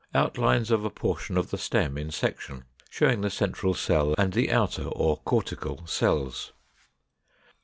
Outlines of a portion of the stem in section, showing the central cell and the outer or cortical cells.